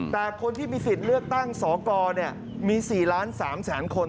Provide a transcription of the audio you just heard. แต่คนที่มีสิทธิ์เลือกตั้งสกมี๔ล้าน๓แสนคน